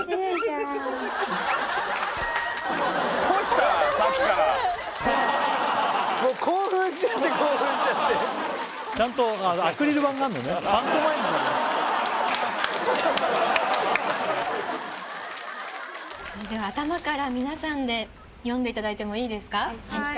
ちゃんとでは頭から皆さんで読んでいただいてもいいですか？